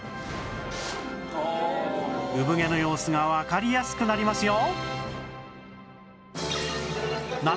うぶ毛の様子がわかりやすくなりますよ！